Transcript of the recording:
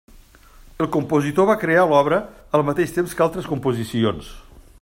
El compositor va crear l'obra al mateix temps que altres composicions.